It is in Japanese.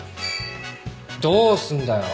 どうすんだよ！